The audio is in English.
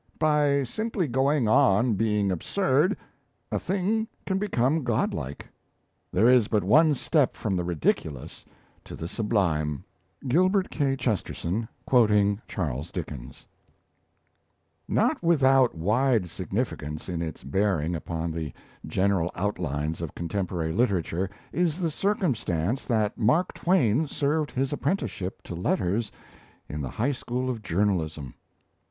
By simply going on being absurd, a thing can become godlike; there is but one step from the ridiculous to the sublime." GILBERT K. CHESTERTON: Charles Dickens. THE HUMORIST Not without wide significance in its bearing upon the general outlines of contemporary literature is the circumstance that Mark Twain served his apprenticeship to letters in the high school of journalism.